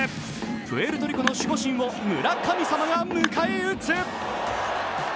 プエルトリコの守護神を村神様が迎え撃つ。